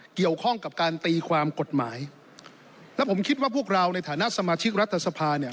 เกี่ยวข้องกับการตีความกฎหมายและผมคิดว่าพวกเราในฐานะสมาชิกรัฐสภาเนี่ย